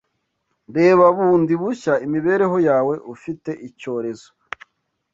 Reba bundi bushya imibereho yawe ufite icyorezo